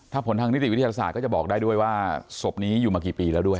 ถ้าผลทางนิติวิทยาศาสตร์ก็จะบอกได้ด้วยว่าศพนี้อยู่มากี่ปีแล้วด้วย